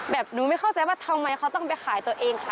หนูไม่เข้าใจว่าทำไมเขาต้องไปขายตัวเองค่ะ